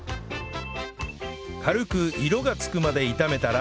軽く色がつくまで炒めたら